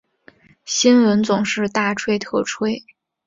新闻总是大吹特吹